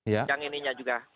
yang ininya juga